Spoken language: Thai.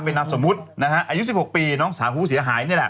เป็นนามสมมุติอายุ๑๖ปีน้องสาวผู้เสียหาย